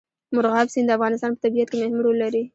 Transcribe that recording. مورغاب سیند د افغانستان په طبیعت کې مهم رول لري.